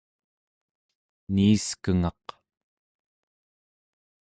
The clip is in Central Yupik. niiskengaq